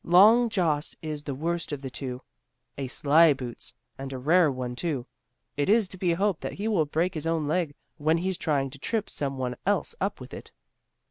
Long Jost is the worst of the two; a sly boots, and a rare one too. It is to be hoped that he will break his own leg, when he's trying to trip some one else up with it."